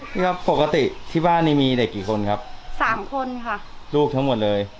ครับปกติที่บ้านนี้มีเด็กกี่คนครับสามคนค่ะลูกทั้งหมดเลย